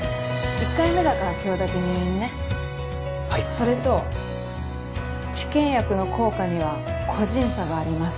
１回目だから今日だけ入院ねはいそれと治験薬の効果には個人差があります